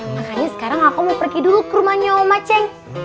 makanya sekarang saya mau pergi dulu ke rumahnya omaceng